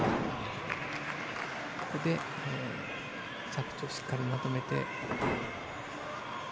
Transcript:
着地をしっかりまとめて。